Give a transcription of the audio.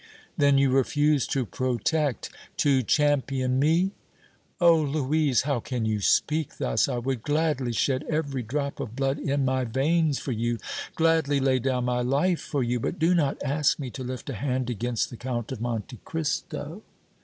"Then you refuse to protect, to champion me?" "Oh! Louise, how can you speak thus! I would gladly shed every drop of blood in my veins for you, gladly lay down my life for you, but do not ask me to lift a hand against the Count of Monte Cristo!"